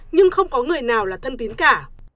nhưng không có người nào là thân tính cả